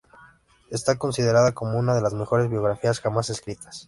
Está considerada como una de las mejores biografías jamás escritas.